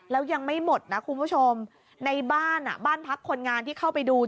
แล้วยังไม่หมดนะคุณผู้ชมในบ้านอ่ะบ้านพักคนงานที่เข้าไปดู